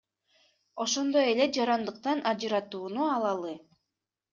Ошондой эле жарандыктан ажыратууну алалы.